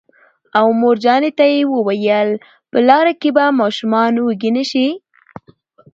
او مورجانې ته یې وویل: په لاره کې به ماشومان وږي نه شي